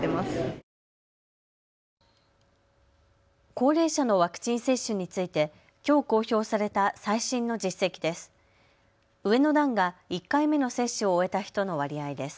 高齢者のワクチン接種についてきょう公表された最新の実績です。